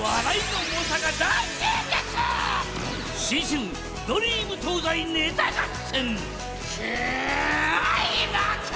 新春ドリーム東西ネタ合戦開幕！